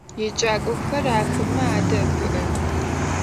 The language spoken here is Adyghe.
Yêcak'oxer axeme ade'epı'ex.